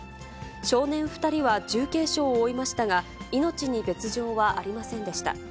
少年２人は重軽傷を負いましたが、命に別状はありませんでした。